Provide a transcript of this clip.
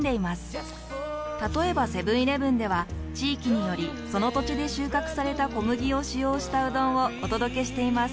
例えばセブンーイレブンでは地域によりその土地で収穫された小麦を使用したうどんをお届けしています。